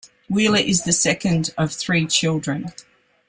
Wheeler is the second of three children.